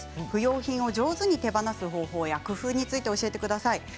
不要品を上手に手放す方法や工夫を教えてください。